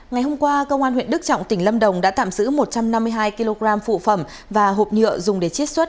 ngày hôm qua công an huyện đức trọng tỉnh lâm đồng đã tạm giữ một trăm năm mươi hai kg phụ phẩm và hộp nhựa dùng để chiết xuất